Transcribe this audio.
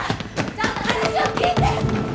ちゃんと話を聞いて！